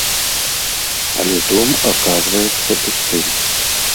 Але дом аказваецца пустым.